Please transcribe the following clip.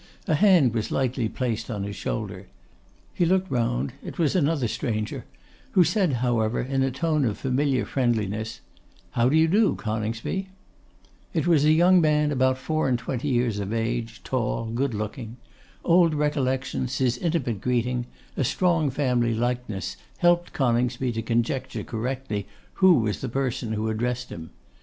A hand was lightly placed on his shoulder. He looked round, it was another stranger; who said, however, in a tone of familiar friendliness, 'How do you do, Coningsby?' It was a young man about four and twenty years of age, tall, good looking. Old recollections, his intimate greeting, a strong family likeness, helped Coningsby to conjecture correctly who was the person who addressed him.